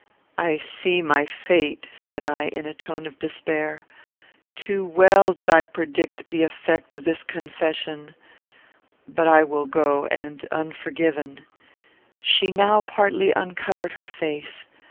"I see my fate," said I, in a tone of despair. "Too well did I predict the effect of this confession; but I will go and unforgiven." She now partly uncovered her face.